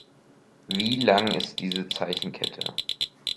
Wie lang ist diese Zeichenkette?